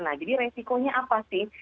nah jadi resikonya apa sih